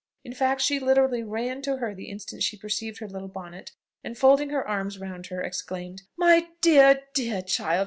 In fact, she literally ran to her the instant she perceived her little bonnet, and, folding her arms round her, exclaimed "My dear, dear child!